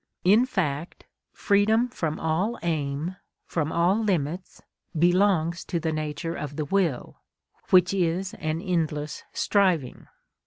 In fact, freedom from all aim, from all limits, belongs to the nature of the will, which is an endless striving.